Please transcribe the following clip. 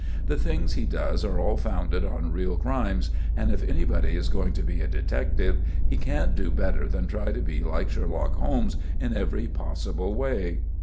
"The things he does are all founded on real crimes, and if anybody is going to be a detective, he can't do better than try to be like Sherlock Holmes in every possible way."